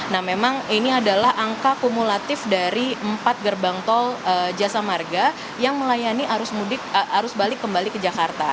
nah memang ini adalah angka kumulatif dari empat gerbang tol jasa marga yang melayani arus balik kembali ke jakarta